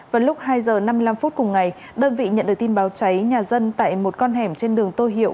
vào lúc hai h năm mươi năm phút cùng ngày đơn vị nhận được tin báo cháy nhà dân tại một con hẻm trên đường tô hiệu